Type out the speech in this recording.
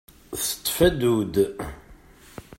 Teṭṭef addud.